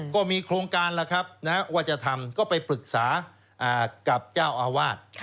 ก็มีโครงการวัฒนธรรมก็ไปปรึกษากับเจ้าอาวาท